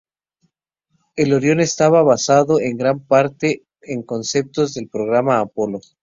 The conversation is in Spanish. El Orión estaba basado en gran parte en conceptos del programa Apolo.